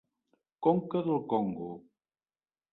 Conca del Congo.